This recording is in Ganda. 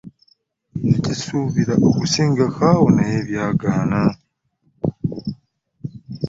Nakisuubira okusingako awo naye byagaana.